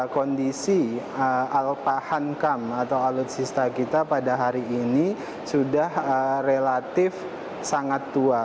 kondisi alpahan kam atau alutsista kita pada hari ini sudah relatif sangat tua